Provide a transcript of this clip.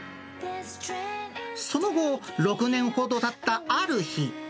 その後、６年ほどたったある日。